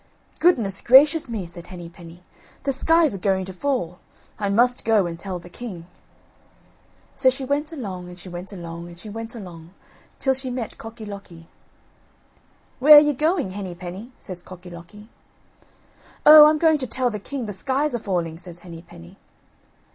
"Goodness gracious me!" said Henny penny; "the sky's a going to fall; I must go and tell the king." So she went along and she went along and she went along till she met Cocky locky. "Where are you going, Henny penny?" says Cocky locky. "Oh! I'm going to tell the king the sky's a falling," says Henny penny.